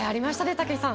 武井さん。